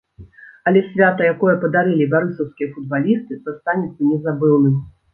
Але свята, якое падарылі барысаўскія футбалісты, застанецца незабыўным.